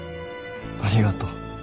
ありがとう。